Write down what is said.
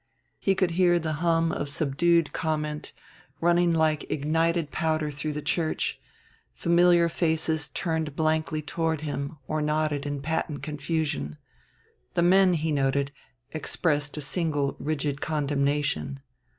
He could hear the hum of subdued comment running like ignited powder through the church, familiar faces turned blankly toward him or nodded in patent confusion. The men, he noted, expressed a single rigid condemnation.